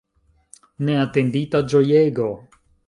Neatendita ĝojego!